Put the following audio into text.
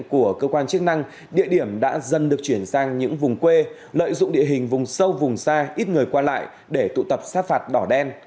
của cơ quan chức năng địa điểm đã dần được chuyển sang những vùng quê lợi dụng địa hình vùng sâu vùng xa ít người qua lại để tụ tập sát phạt đỏ đen